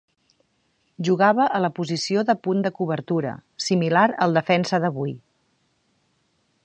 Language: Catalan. Jugava a la posició de punt de cobertura, similar al defensa d'avui.